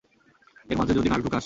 এর মাঝে যদি নাক ঢুকাস।